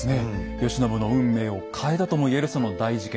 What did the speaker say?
慶喜の運命を変えたとも言えるその大事件。